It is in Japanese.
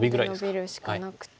ノビるしかなくて。